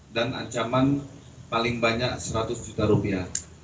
dan ancaman paling banyak seratus juta rupiah